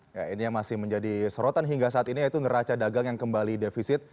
ya ini yang masih menjadi sorotan hingga saat ini yaitu neraca dagang yang kembali defisit